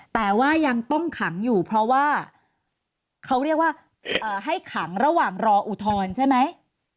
แต่ว่ายังต้องขังอยู่เพราะว่าเขาเรียกว่าให้ขังระหว่างรออุทธรณ์ใช่ไหม